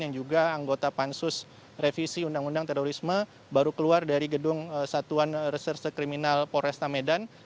yang juga anggota pansus revisi undang undang terorisme baru keluar dari gedung satuan reserse kriminal poresta medan